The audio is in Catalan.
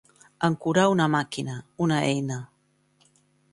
Ancorar una màquina, una eina.